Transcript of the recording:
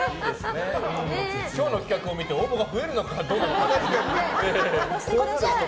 今日の企画を見て応募が増えるのかどうか。